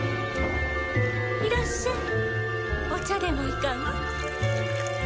いらっしゃいお茶でもいかが？